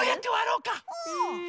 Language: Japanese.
うん。